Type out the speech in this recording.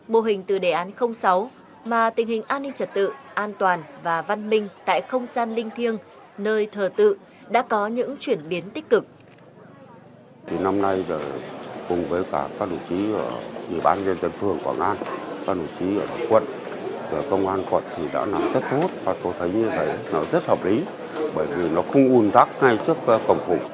mô hình từ đề án sáu mà tình hình an ninh trật tự an toàn và văn minh tại không gian linh thiêng nơi thờ tự đã có những chuyển biến tích cực